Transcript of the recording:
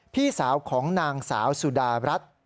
พี่สาวของนางสาวสุดารัฐ